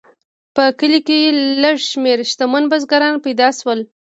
په کلیو کې لږ شمیر شتمن بزګران پیدا شول.